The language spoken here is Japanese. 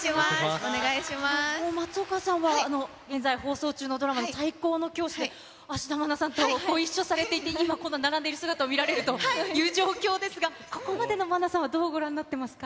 松岡さんは、現在放送中のドラマ、最高の教師で芦田愛菜さんとご一緒されていて、今、この並んでいる姿を見られるという状況ですが、ここまでの愛菜さんはどうご覧になっていますか。